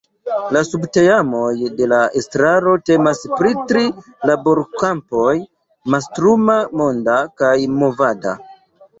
La subteamoj de la estraro temas pri tri laborkampoj, mastruma, monda kaj movada.